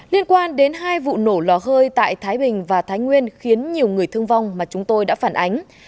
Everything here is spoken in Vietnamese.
liên quan đến hai vụ nổ lò hơi tại thái bình và thái nguyên khiến nhiều người thương vong mà chúng tôi đã phản ánh